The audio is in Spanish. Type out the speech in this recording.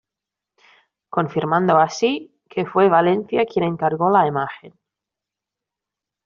Confirmando así que fue Valencia quien encargo la imagen.